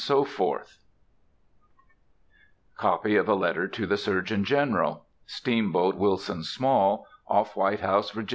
Copy of a Letter to the Surgeon General. Steamboat Wilson Small, Off White House, Va.